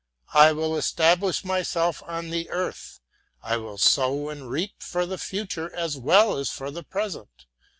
I will establish myself on the earth, I will sow and reap for the future as well as for the present.